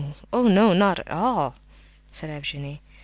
Oh no! Not at all!" said Evgenie.